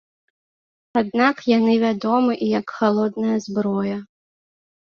Аднак яны вядомы і як халодная зброя.